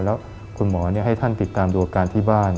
แล้วคุณหมอให้ท่านติดตามดูอาการที่บ้าน